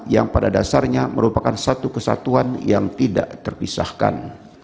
yang pada dasarnya merupakan satu kesatuan yang tidak terpisahkan